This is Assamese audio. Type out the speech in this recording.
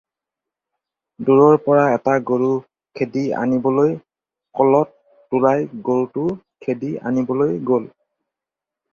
দূৰৰ পৰা এটা গৰু খেদি আনিবলৈ ক'লত, তুলাই গৰুটো খেদি আনিবলৈ গ'ল।